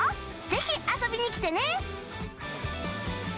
ぜひ遊びに来てね